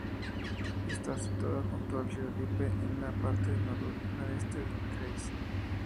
Está situada junto al río Lippe en la parte noreste del Kreis.